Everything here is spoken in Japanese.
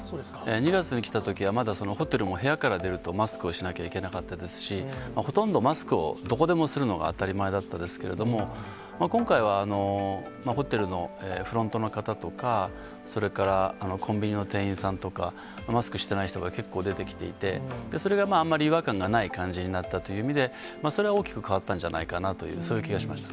２月に来たときは、まだホテルも部屋から出ると、マスクをしなきゃいけなかったですし、ほとんどマスクをどこでもするのが当たり前だったですけども、今回はホテルのフロントの方とか、それからコンビニの店員さんとか、マスクしてない人が結構出てきていて、それがあんまり違和感がない感じになったという意味で、それは大きく変わったんじゃないかなという、そういう気がしました。